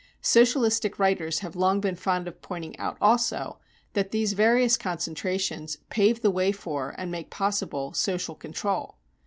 Socialistic writers have long been fond of pointing out also that these various concentrations pave the way for and make possible social control.